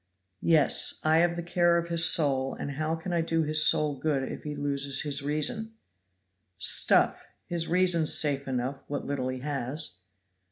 "Yes, I have the care of his soul, and how can I do his soul good if he loses his reason?" "Stuff! his reason's safe enough, what little he has."